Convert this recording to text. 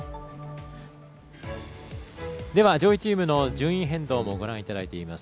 上位チームの順位変動をご覧いただいています。